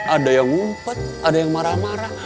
ada yang ngumpet ada yang marah marah